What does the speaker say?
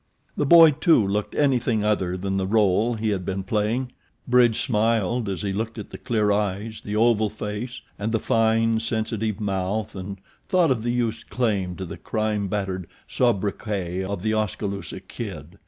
The boy, too, looked anything other than the role he had been playing. Bridge smiled as he looked at the clear eyes, the oval face, and the fine, sensitive mouth and thought of the youth's claim to the crime battered sobriquet of The Oskaloosa Kid.